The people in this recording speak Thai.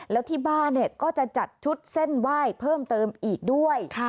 แล้วที่บ้านก็จะจัดชุดเส้นไหว้เพิ่มเติมอีกด้วย